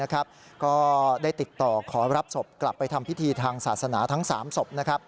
ก็ได้ติดต่อขอรับศพกลับไปทำพิธีทางศาสนาทั้ง๓ศพ